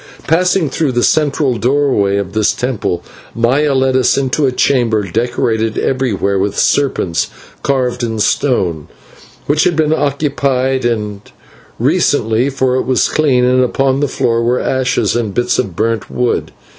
Passing through the central doorway of this temple, Maya led us into a chamber decorated everywhere with serpents carved in stone, which had been occupied, and recently, for it was clean, and upon the floor were ashes and bits of burnt wood.